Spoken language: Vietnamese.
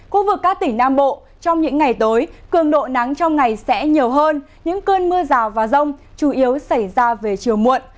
khu vực các tỉnh nam bộ trong những ngày tới cường độ nắng trong ngày sẽ nhiều hơn những cơn mưa rào và rông chủ yếu xảy ra về chiều muộn